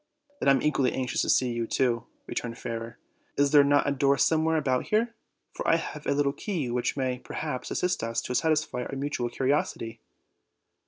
"I am equally anxious to see you/' returned Fairer. "Is there not a door somewhere about here? for I have a little key which may, perhaps, assist us to satisfy our mutual curiosity."